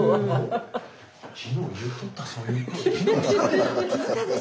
昨日言うとったそういえば。